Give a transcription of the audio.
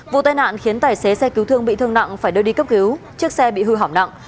vụ tai nạn khiến tài xế xe cứu thương bị thương nặng phải đưa đi cấp cứu chiếc xe bị hư hỏng nặng